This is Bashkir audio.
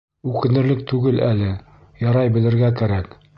Үкенерлек түгел әле, Ярай белергә кәрәк.